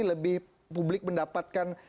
lebih publik mendapatkan